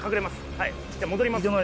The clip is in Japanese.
戻ります。